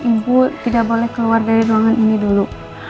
ibu tidak boleh keluar dari ruangan ini dulu